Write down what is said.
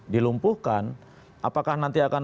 dilumpuhkan apakah nanti akan